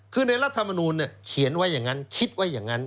คือในรัฐมนูลเขียนไว้อย่างนั้นคิดไว้อย่างนั้น